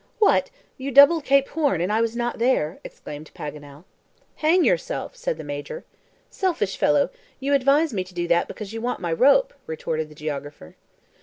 "What! you doubled Cape Horn, and I was not there!" exclaimed Paganel. "Hang yourself!" said the Major. "Selfish fellow! you advise me to do that because you want my rope," retorted the geographer.